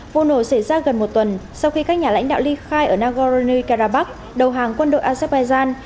vụ nổ xảy ra gần một tuần sau khi các nhà lãnh đạo ly khai ở nagorno karabakh đầu hàng quân đội azerbaijan